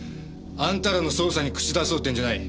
あんたらの捜査に口出そうってんじゃない。